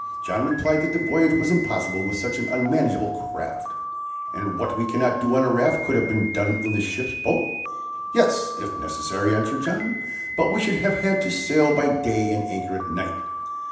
John replied that the voyage was impossible with such an unmanageable craft. "And what we cannot do on a raft could have been done in the ship's boat?" "Yes, if necessary," answered John; "but we should have had to sail by day and anchor at night."